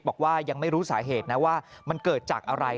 บอกว่ายังไม่รู้สาเหตุนะว่ามันเกิดจากอะไร